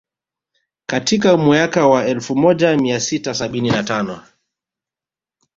Katika mweaka wa elfu moja mia sita sabini na tano